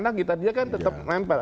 dia kan tetap lempar